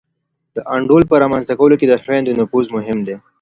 د انډول په رامنځته کولو کي د خویندو نفوذ مهم دی.